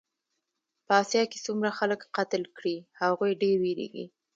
په اسیا کې څومره خلک قتل کړې هغوی ډېر وېرېږي.